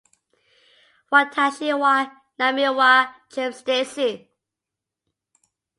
watashi wa namae wa james desu